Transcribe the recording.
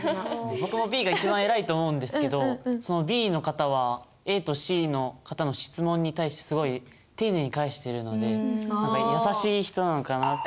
僕もＢが一番偉いと思うんですけどＢの方はＡとＣの方の質問に対してすごい丁寧に返しているので優しい人なのかなって。